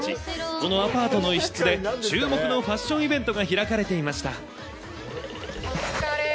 このアパートの一室で、注目のファッションイベントが開かれていお疲れー。